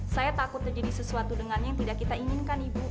saya takut terjadi sesuatu dengannya yang tidak kita inginkan ibu